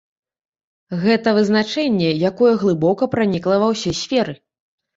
Гэта вызначэнне, якое глыбока пранікла ва ўсе сферы.